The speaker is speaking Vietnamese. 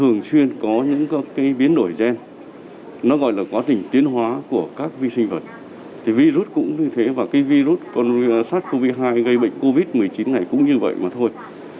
nên gây bệnh covid một mươi chín này cũng như vậy mà thôi